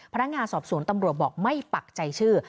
พนักงานสอบสวนตำรวจบอกไม่ปักใจชื่อ